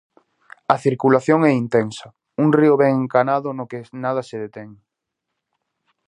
A circulación é intensa, un río ben encanado no que nada se detén.